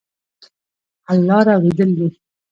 حل لاره اورېدل دي.